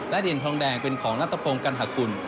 และเหรียญทองแดงเป็นของนัตรพงศ์กัณฑคุณ